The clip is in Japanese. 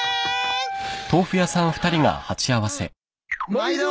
毎度！